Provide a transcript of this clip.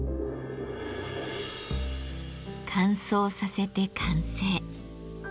乾燥させて完成。